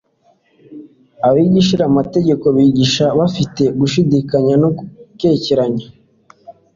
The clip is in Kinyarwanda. Abigishamategeko bigishaga bafite gushidikanya no gukekeranya